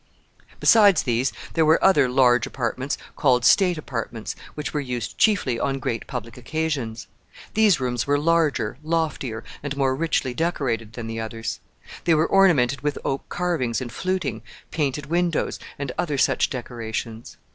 ] Besides these there were other large apartments, called state apartments, which were used chiefly on great public occasions. These rooms were larger, loftier, and more richly decorated than the others. They were ornamented with oak carvings and fluting, painted windows, and other such decorations.